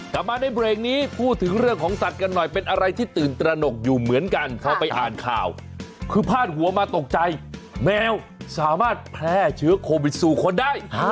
กลับมาในเบรกนี้พูดถึงเรื่องของสัตว์กันหน่อยเป็นอะไรที่ตื่นตระหนกอยู่เหมือนกันพอไปอ่านข่าวคือพาดหัวมาตกใจแมวสามารถแพร่เชื้อโควิดสู่คนได้